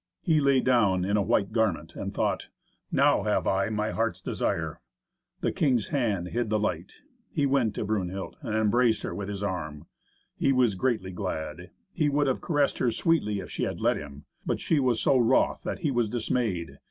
He lay down in a white garment and thought, "Now have I my heart's desire." The king's hand hid the light. He went to Brunhild and embraced her with his arm. He was greatly glad. He would have caressed her sweetly if she had let him. But she was so wroth that he was dismayed.